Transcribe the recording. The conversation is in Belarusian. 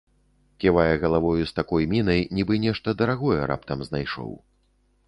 Ківае галавою з такой мінай, нібы нешта дарагое раптам знайшоў.